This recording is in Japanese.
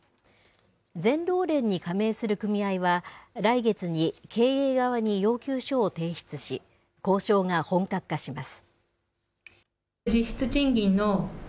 全労連に加盟する組合は、来月に経営側に要求書を提出し、交渉が本格化します。